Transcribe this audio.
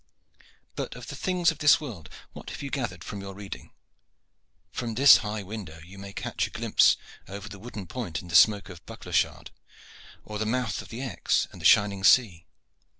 "But of the things of this world, what have you gathered from your reading? From this high window you may catch a glimpse over the wooden point and the smoke of Bucklershard of the mouth of the Exe, and the shining sea.